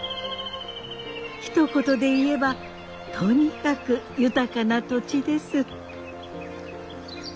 ひと言で言えばとにかく豊かな土地です。